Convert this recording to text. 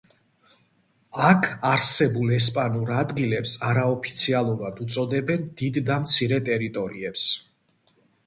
აქ არსებულ ესპანურ ადგილებს არაოფიციალურად უწოდებენ დიდ და მცირე ტერიტორიებს.